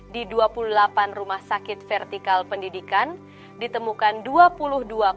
di dua puluh delapan rumah sakit vertikal pendidikan ditemukan dua puluh dua empat persen peserta terdeteksi mengalami gejala depresi